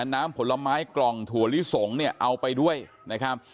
น้ำผลไม้กล่องถั่วลิสงเนี่ยเอาไปด้วยนะครับ